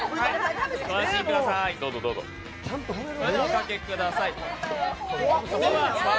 お待ちください。